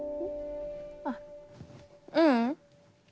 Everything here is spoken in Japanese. あううん。